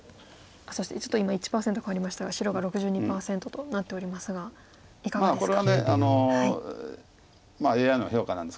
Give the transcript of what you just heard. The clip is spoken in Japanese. そしてちょっと今１％変わりましたが白が６２％となっておりますがいかがですか？